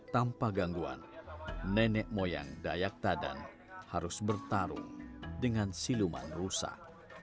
tanpa gangguan nenek moyang dayak tadan harus bertarung dengan siluman rusak